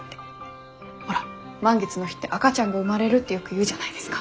ほら満月の日って赤ちゃんが生まれるってよく言うじゃないですか。